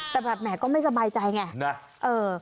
แต่แบบแหมก็ไม่สบายใจไงนะ